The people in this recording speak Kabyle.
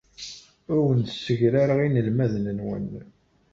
Ur awen-ssegrareɣ inelmaden-nwen.